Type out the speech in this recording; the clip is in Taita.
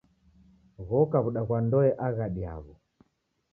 Ghoko w'uda ghwa ndoe aghadi yaw'o.